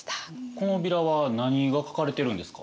このビラは何が描かれてるんですか？